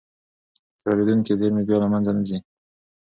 تکرارېدونکې زېرمې بیا له منځه نه ځي.